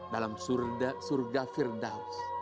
dalam surga surga firdaus